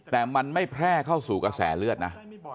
แต่มันไม่แพร่เข้าสู่กระแสเลือดนะ